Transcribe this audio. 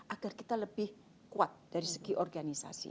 agar kita lebih kuat dari segi organisasi